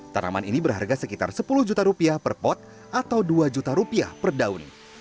tanaman ini berharga sekitar sepuluh juta rupiah per pot atau dua juta rupiah per daun